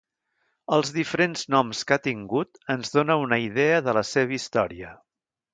Els diferents noms que ha tingut ens dóna una idea de la seva història.